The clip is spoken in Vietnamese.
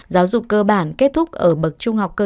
giáo dục cơ bản kết thúc ở bậc trung học cơ sở